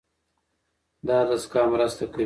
دا دستګاه مرسته کوي.